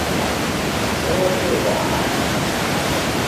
Anwa akka i yeẓran?